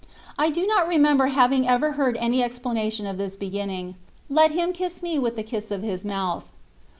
I do not remember having ever heard any explanation of this beginning, " Let him kiss me with the kiss of his mouth."